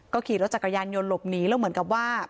ขี่รถจักรยานยนต์หลบหนีแล้วเหมือนกับว่า